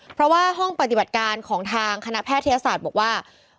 เพราะว่าห้องปฏิบัติการของทางคณะแพทยศาสตร์บอกว่า